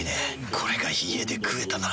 これが家で食えたなら。